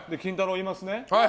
もいますね。